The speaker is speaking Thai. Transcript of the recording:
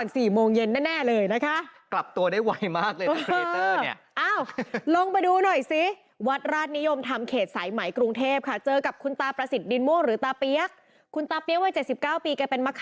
สงสัตว์จะก่อน๔โมงเย็นแน่เลยนะคะ